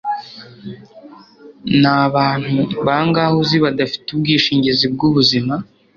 Nabantu bangahe uzi badafite ubwishingizi bwubuzima